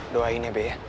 doain ya be